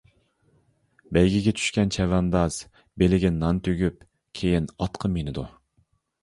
بەيگىگە چۈشكەن چەۋەنداز بېلىگە نان تۈگۈپ، كېيىن ئاتقا مىنىدۇ.